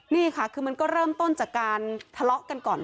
นี่ค่ะคือมันก็เริ่มต้นจากการทะเลาะกันก่อน